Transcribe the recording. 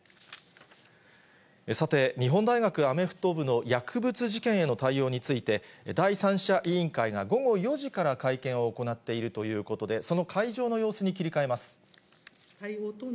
さて、日本大学アメフト部の薬物事件への対応について、第三者委員会が午後４時から会見を行っているということで、その会場の様子に切り替えます。